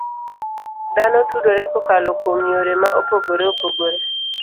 Dhano tudore kokalo kuom yore ma opogore opogore.